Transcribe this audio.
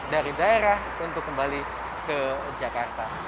dari daerah untuk kembali ke jakarta